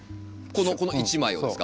この１枚をですか？